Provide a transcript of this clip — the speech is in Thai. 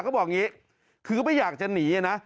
เขาบอกอย่างนี้คือก็ไม่อยากจะหนีนะ